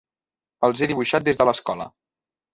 Els he dibuixat des de l'escola.